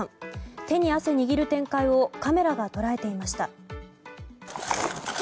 手に汗握る展開をカメラが捉えていました。